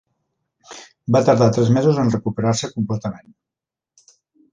Va tardar tres mesos en recuperar-se completament.